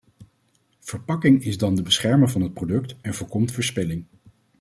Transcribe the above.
Verpakking is dan de beschermer van het product en voorkomt verspilling.